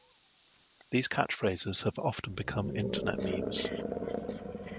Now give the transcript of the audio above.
These catchphrases have often become internet memes.